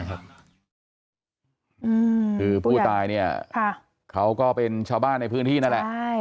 คือผู้ตายเนี่ยเขาก็เป็นชาวบ้านในพื้นที่นั่นแหละ